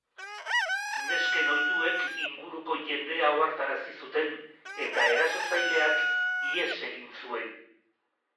Nesken oihuek inguruko jendea ohartarazi zuten eta erasotzaileak ihes egin zuen.